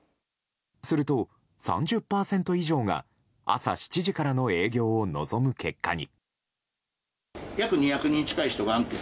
すると、３０％以上が朝７時からの営業を望む結果に。